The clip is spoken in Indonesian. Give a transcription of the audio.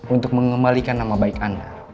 untuk mengembalikan nama baik anda